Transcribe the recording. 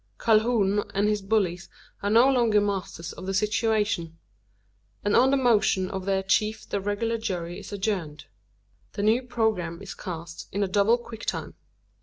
Calhoun and his bullies are no longer masters of the situation; and on the motion of their chief the Regulator Jury is adjourned. The new programme is cast in double quick time.